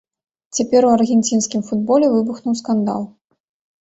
Цяпер у аргенцінскім футболе выбухнуў скандал.